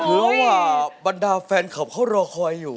เหลือว่าบรรดาแฟนคอปเขารอคอยอยู่